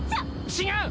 違う！